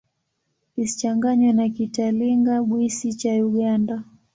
Isichanganywe na Kitalinga-Bwisi cha Uganda.